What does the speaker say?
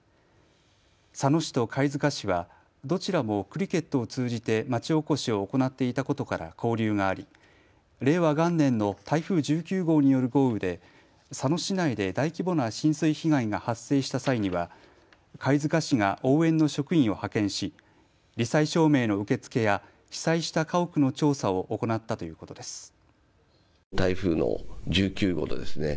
佐野市と貝塚市はどちらもクリケットを通じてまちおこしを行っていたことから交流があり令和元年の台風１９号による豪雨で佐野市内で大規模な浸水被害が発生した際には貝塚市が応援の職員を派遣しり災証明の受け付けや被災した家屋の調査を行ったということです。